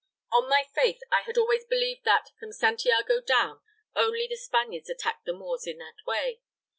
On my faith I had always believed that, from Santiago down, only the Spaniards attacked the Moors in that way.